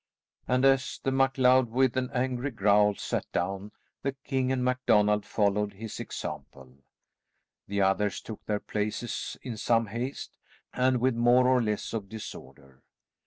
And as the MacLeod, with an angry growl sat down, the king and MacDonald followed his example. The others took their places in some haste, and with more or less of disorder.